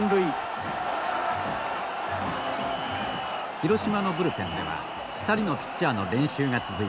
広島のブルペンでは２人のピッチャーの練習が続いていた。